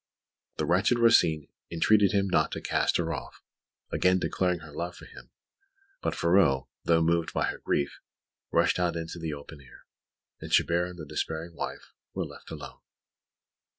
The wretched Rosine entreated him not to cast her off, again declaring her love for him; but Ferraud, though moved by her grief, rushed out into the open air, and Chabert and his despairing wife were left alone.